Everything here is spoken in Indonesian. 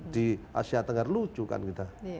di asia tenggara lucu kan kita